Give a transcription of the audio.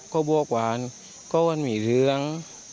ก็บวกว่าก็มีเรือง